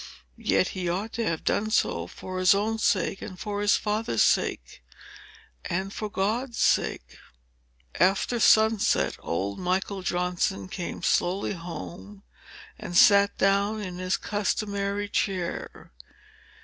Yet he ought to have done so, for his own sake, and for his father's sake, and for God's sake. After sunset, old Michael Johnson came slowly home, and sat down in his customary chair.